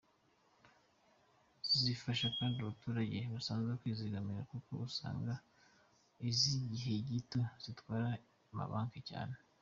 Zizafasha kandi abaturage basanzwe kwizigamira kuko usanga iz’igihe gito zitwarwa n’amabanki cyane.